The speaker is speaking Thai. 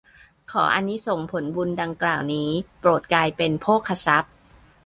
ขออานิสงส์ผลบุญดังกล่าวนี้โปรดกลายเป็นโภคทรัพย์